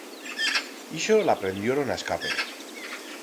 Ixo l'aprendioron a escape.